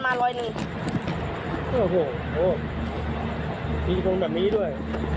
มีกำลังแบบนี้ด้วย